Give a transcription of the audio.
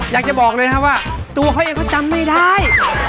อยากจะบอกเลยครับว่าตัวเขาเองก็จำไม่ได้